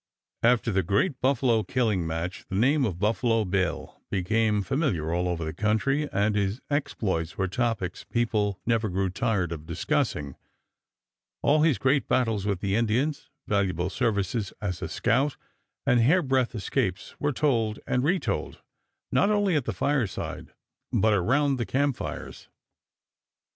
After the great buffalo killing match the name of Buffalo Bill became familiar all over the country, and his exploits were topics people never grew tired of discussing. All his great battles with the Indians, valuable services as a scout, and hairbreadth escapes were told and retold, not only at the fireside, but around the camp fires.